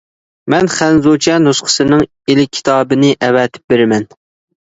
مەن خەنزۇچە نۇسخىسىنىڭ ئېلكىتابىنى ئەۋەتىپ بېرىمەن.